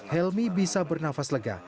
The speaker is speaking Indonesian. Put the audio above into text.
helmi bisa bernafas lega